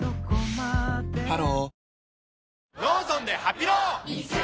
ハロー